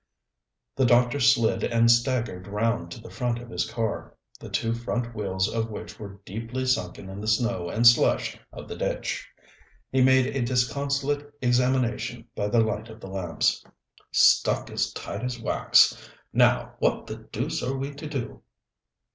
The doctor slid and staggered round to the front of his car, the two front wheels of which were deeply sunken in the snow and slush of the ditch. He made a disconsolate examination by the light of the lamps. "Stuck as tight as wax. Now, what the deuce are we to do?"